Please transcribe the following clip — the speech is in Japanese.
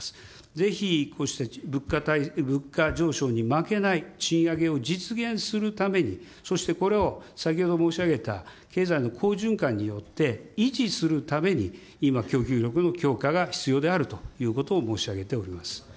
ぜひこうした物価上昇に負けない賃上げを実現するために、そして、これを先ほど申し上げた、経済の好循環によって維持するために、今、供給力の強化が必要であるということを申し上げております。